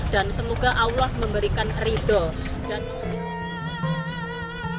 dan semoga allah memberikan kemampuan